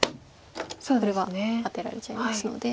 これはアテられちゃいますので。